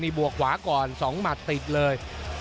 นี่บวกขวาก่อนสองหมัดติดเลย